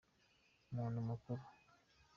Umuntu mukuru.